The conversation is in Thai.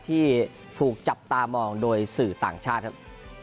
ที่ถูกจับตามองโดยสื่อต่างชาติครับ